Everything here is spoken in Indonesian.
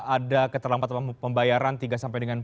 ada keterlampatan pembayaran